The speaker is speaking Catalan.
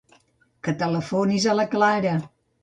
Que telefonis a la Clara.